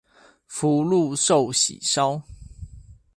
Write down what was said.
福祿壽喜燒